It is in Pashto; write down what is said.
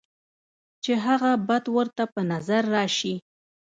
چې هغه بد ورته پۀ نظر راشي،